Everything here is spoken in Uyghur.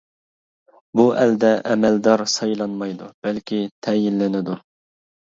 بۇ ئەلدە ئەمەلدار سايلانمايدۇ، بەلكى تەيىنلىنىدۇ.